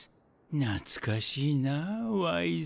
懐かしいなぁワイズ。